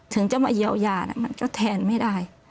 ถึงจะมาเยียวยามันก็แทนไม่ได้